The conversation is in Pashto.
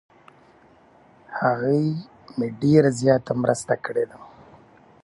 هغه مې ډیر زیاته مرسته کړې ده.